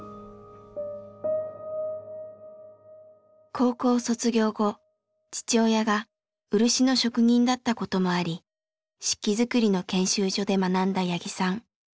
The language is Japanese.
高校卒業後父親が漆の職人だったこともあり漆器作りの研修所で学んだ八木さん。